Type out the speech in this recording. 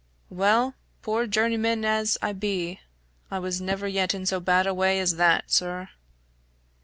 "Well, poor journeyman as I be, I was never yet in so bad a way as that, sir."